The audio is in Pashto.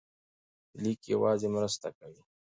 لیک یوازې مرسته کوي.